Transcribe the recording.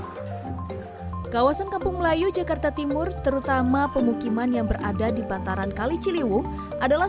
hai kawasan kampung melayu jakarta timur terutama pemukiman yang berada di bataran kaliciliwu adalah